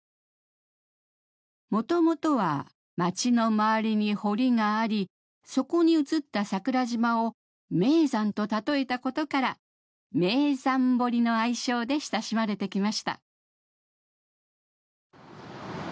もともとは町の周りに堀がありそこに映った桜島を「名山」と例えたことから「名山堀」の愛称で親しまれてきました。